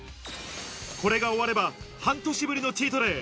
これが終われば半年ぶりのチートデイ。